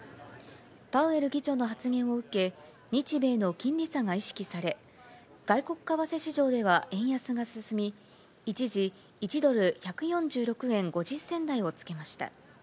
パウエル議長の発言を受け、日米の金利差が意識され、外国為替市場では円安が進み、一時１ドル１４６円５０銭台をつけました。